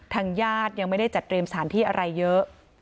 ทางญาติยังไม่ได้จัดเตรียมสถานที่อะไรเยอะ